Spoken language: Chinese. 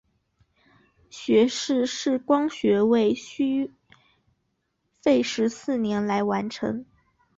学士视光学位需费时四年来完成。